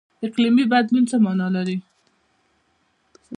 اقلیم بدلون څه مانا لري؟